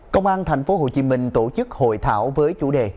công an thành phố hồ chí minh tổ chức hội thảo với chủ đề